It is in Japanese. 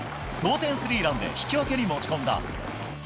同点スリーランで引き分けに持ち込んだ。